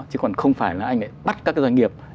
chứ còn không phải là anh lại bắt các doanh nghiệp